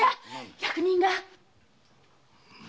役人が。